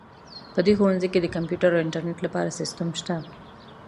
په دې ښوونځي کې د کمپیوټر او انټرنیټ لپاره سیسټم شته